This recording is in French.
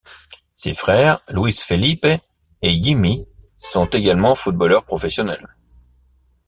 Ses frères Luis Felipe et Yimmi sont également footballeurs professionnels.